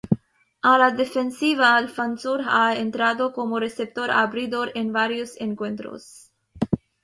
A la defensiva, Alfonso ha entrado como receptor abridor en varios encuentros.